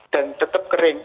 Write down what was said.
dan tetap kering